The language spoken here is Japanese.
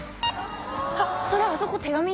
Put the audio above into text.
あっそれあそこ手紙！？